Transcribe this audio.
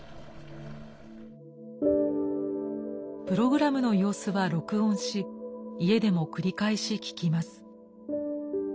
プログラムの様子は録音し家でも繰り返し聞きます。